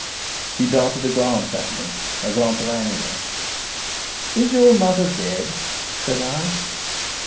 He darted a glance at me a glance of anger. "Is your mother dead?" said I.